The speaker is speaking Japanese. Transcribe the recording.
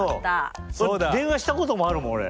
電話したこともあるもん俺。